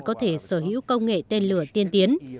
có thể sở hữu công nghệ tên lửa tiên tiến